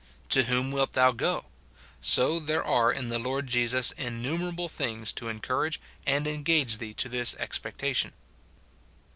To whom wilt thou go ?| So there are in the Lord Jesus innumer able things to encourage and engage thee to this expec tation.